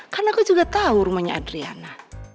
karena aku juga tau rumahnya adriana